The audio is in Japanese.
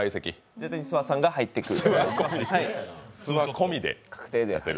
絶対に諏訪さんが入ってくる。